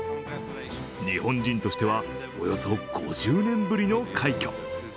日本人としては、およそ５０年ぶりの快挙。